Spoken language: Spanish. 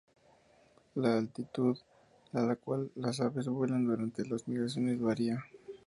La altitud a la cual las aves vuelan durante las migraciones varía.